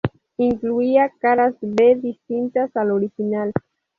Incluía caras b distintas al original.